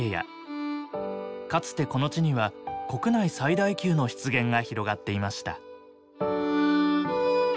かつてこの地には国内最大級の湿原が広がっていました。